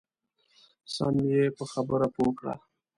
سم یې په خبره پوه کړه.